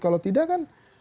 kalau tidak kan